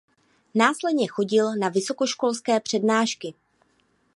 Následně chodil na vysokoškolské přednášky.